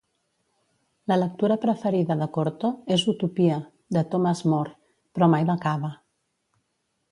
La lectura preferida de Corto és "Utopia", de Thomas More, però mai l'acaba.